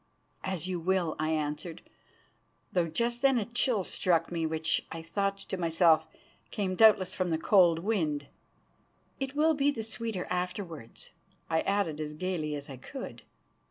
"As you will," I answered, though just then a chill struck me, which, I thought to myself, came doubtless from the cold wind. "It will be the sweeter afterwards," I added as gaily as I could.